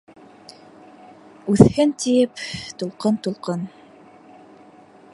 Үҫһен тиеп тулҡын-тулҡын